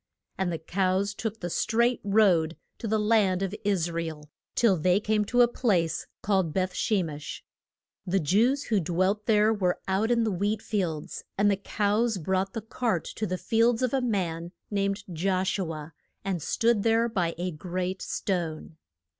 And the cows took the straight road to the land of Is ra el till they came to a place called Beth she mesh. The Jews who dwelt there were out in the wheat fields. And the cows brought the cart to the fields of a man named Josh u a, and stood there by a great stone.